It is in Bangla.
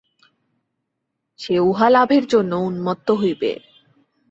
সে উহা লাভের জন্য উন্মত্ত হইবে।